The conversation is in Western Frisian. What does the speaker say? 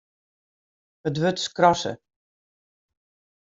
It wurd skrasse.